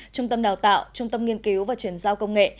trung tâm đào tạo trung tâm nghiên cứu và chuyển giao công nghệ